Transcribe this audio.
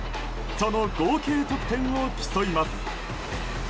その合計得点を競います。